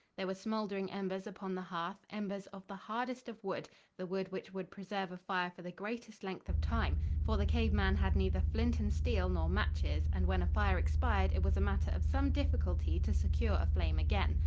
There were smoldering embers upon the hearth, embers of the hardest of wood, the wood which would preserve a fire for the greatest length of time, for the cave man had neither flint and steel nor matches, and when a fire expired it was a matter of some difficulty to secure a flame again.